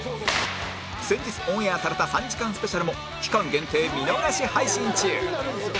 先日オンエアされた３時間スペシャルも期間限定見逃し配信中